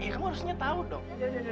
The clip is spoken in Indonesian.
ya kamu harusnya tau dong